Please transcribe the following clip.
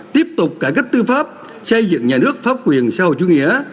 tiếp tục cải cách tư pháp xây dựng nhà nước pháp quyền sau chủ nghĩa